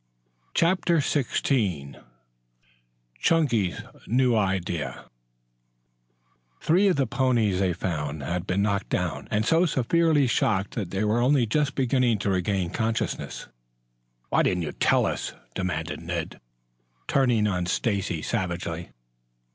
CHAPTER XVI CHUNKY'S NEW IDEA Three of the ponies, they found, had been knocked down and so severely shocked that they were only just beginning to regain consciousness. "Why didn't you tell us?" demanded Ned, turning on Stacy savagely.